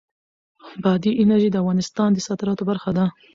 بادي انرژي د افغانستان د صادراتو برخه ده.